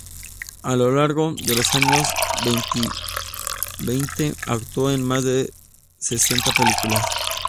A lo largo de los años veinte actuó en más de sesenta películas.